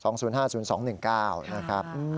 ๒๐๕๐๒๑๙นะครับ